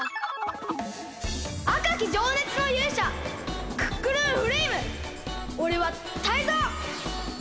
あかきじょうねつのゆうしゃクックルンフレイムおれはタイゾウ！